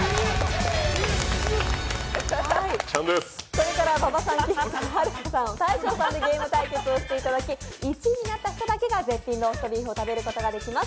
これから馬場さん、きむさん、はるかさん、大昇さんでゲーム対決をしていただき１位になった人だけが絶品ローストビーフを食べることができます。